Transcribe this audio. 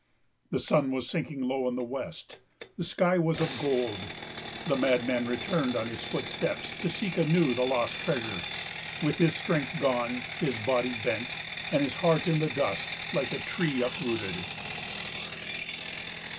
The sun was sinking low in the west, the sky was of gold. The madman returned on his footsteps to seek anew the lost treasure, with his strength gone, his body bent, and his heart in the dust, like a tree uprooted.